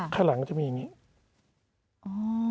ข้างหลังก็จะมีอย่างนี้